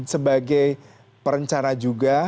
sebagai perencana juga